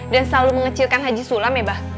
dan selalu mengecilkan haji sulam ya bah